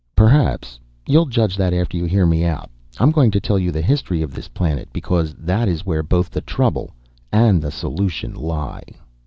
"Perhaps. You'll judge that after you hear me out. I'm going to tell you the history of this planet, because that is where both the trouble and the solution lie.